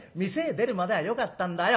出るまではよかったんだよ。